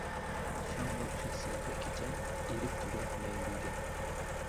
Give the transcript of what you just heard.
شام نۇر چاچسا بىر كېچە، ئېرىپ تۈگەر مەڭگۈگە.